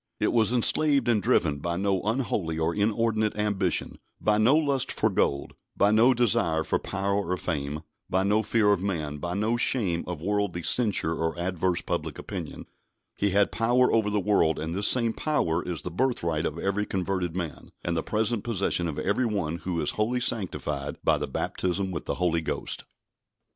It was enslaved and driven by no unholy or inordinate ambition, by no lust for gold, by no desire for power or fame, by no fear of man, by no shame of worldly censure or adverse public opinion. He had power over the world, and this same power is the birthright of every converted man, and the present possession of every one who is wholly sanctified by the baptism with the Holy Ghost.